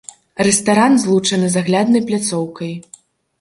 Рэстаран злучаны з агляднай пляцоўкай.